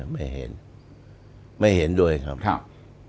ไม่เห็นไม่เห็นด้วยครับ